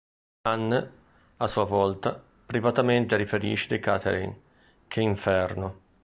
Anne, a sua volta, privatamente riferisce di Catherine "che Inferno".